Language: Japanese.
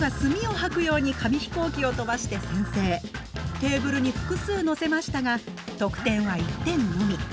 テーブルに複数のせましたが得点は１点のみ。